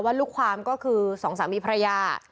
ว่ารูปความก็คือสองสามีพระยา